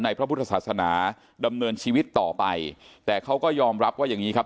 พระพุทธศาสนาดำเนินชีวิตต่อไปแต่เขาก็ยอมรับว่าอย่างงี้ครับ